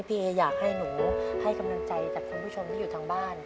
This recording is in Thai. พี่เออยากให้หนูให้กำลังใจจากคุณผู้ชมที่อยู่ทางบ้าน